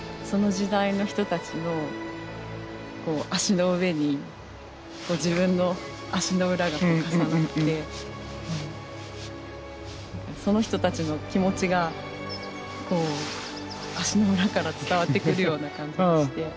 その時代の人たちの足の上に自分の足の裏が重なってその人たちの気持ちが足の裏から伝わってくるような感じがして。